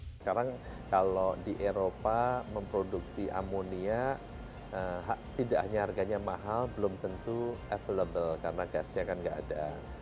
sekarang kalau di eropa memproduksi amonia tidak hanya harganya mahal belum tentu available karena gasnya kan tidak ada